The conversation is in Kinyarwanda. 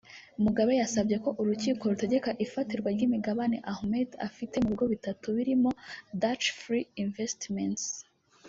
Mugabe yasabye ko urukiko rutegeka ifatirwa ry’imigabane Ahmed afite mu bigo bitatu birimo Thatchfree Investments